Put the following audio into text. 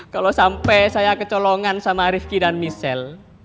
kalau sampai saya kecolongan sama rifki dan michelle